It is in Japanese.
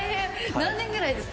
何年ぐらいですか？